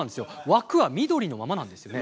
枠は緑のままなんですよね。